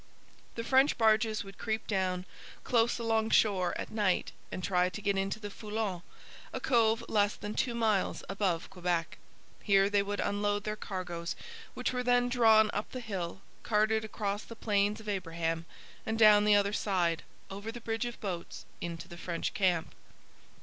The French barges would creep down, close alongshore, at night, and try to get into the Foulon, a cove less than two miles above Quebec. Here they would unload their cargoes, which were then drawn up the hill, carted across the Plains of Abraham, and down the other side, over the bridge of boats, into the French camp.